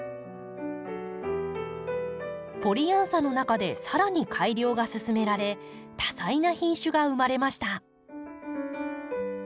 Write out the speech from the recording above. ポリアンサの中で更に改良が進められ多彩な品種が生まれました。